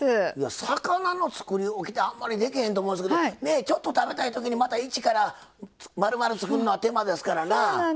魚のつくりおきってあんまりできへんと思いますけどちょっと食べたいときにまた一から丸々作るのは手間ですからな。